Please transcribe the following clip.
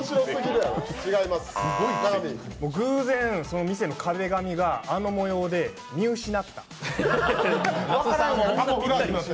偶然、店の壁紙があの模様で、見失った。